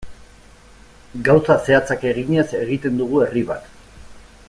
Gauza zehatzak eginez egiten dugu herri bat.